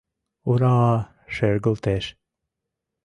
Ура-а! шергылтеш.